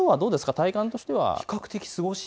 体感としては。